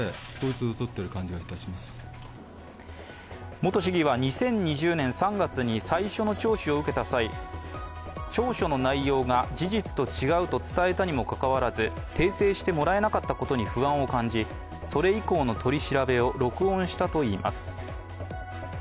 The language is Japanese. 元市議は２０２０年３月に最初の聴取を受けた際調書の内容が、事実と違うと伝えたにもかかわらず、訂正してもらえなかったことに不安を感じ、それ以降の取り調べを録音したといいます。